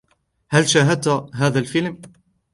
هل شاهدت هذا الفلم.